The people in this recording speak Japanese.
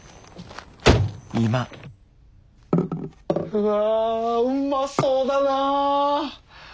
うわうまそうだな！